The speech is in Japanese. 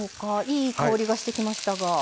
いい香りがしてきましたが。